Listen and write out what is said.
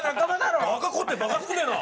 バカ凝ってバカ少ねえな！